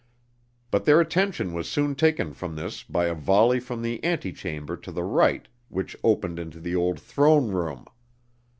But their attention was soon taken from this by a volley from the antechamber to the right which opened into the old throne room.